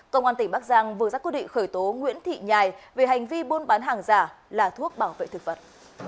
cơ quan tỉnh bắc giang vừa ra quy định khởi tố nguyễn thị nhài về hành vi buôn bán hàng giả là thuốc bảo vệ thực vật